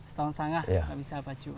setahun setengah lebih dari pacu